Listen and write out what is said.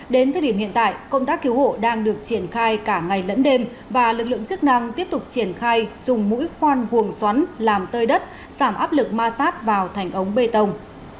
đến thời điểm hiện tại công tác cứu hộ đang được triển khai cả ngày lẫn đêm và lực lượng chức năng tiếp tục triển khai dùng mũi khoan buồng xoắn làm tơi đất giảm áp lực ma sát vào thành ống bê tông